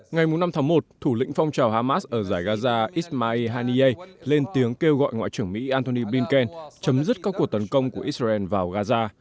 ngày năm tháng một thủ lĩnh phong trào hamas ở giải gaza ismai haniye lên tiếng kêu gọi ngoại trưởng mỹ antony blinken chấm dứt các cuộc tấn công của israel vào gaza